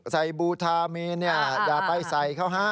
ใส่บูทามีนี่อย่าไปใส่เขาฮะ